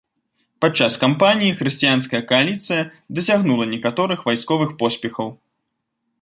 Падчас кампаніі хрысціянская кааліцыя дасягнула некаторых вайсковых поспехаў.